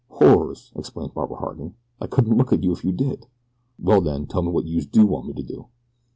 "Horrors!" exclaimed Barbara Harding. "I couldn't look at you if you did." "Well, then, tell me wot youse do want me to do."